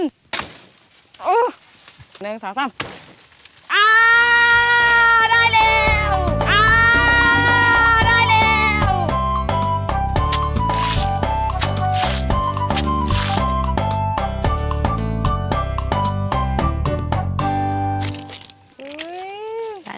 อ๋อได้แล้วอ๋อได้แล้ว